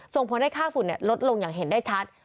ส่งผลให้ค่าฝุ่นลดลงอย่างเห็นได้ชัด